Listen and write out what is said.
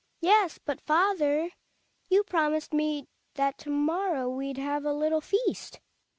Hed^hg. Yes, but father, you promised me that to morrow we'd have a little feast.